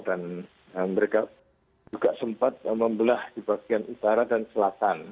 dan mereka juga sempat membelah di bagian utara dan selatan